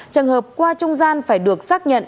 trường hợp qua trung gian phải được xác nhận